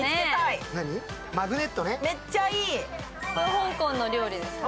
香港の料理ですよね。